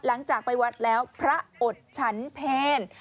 หลังจากไปวัดแล้วพระอดฉันเพล